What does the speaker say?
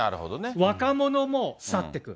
若者も去っていく。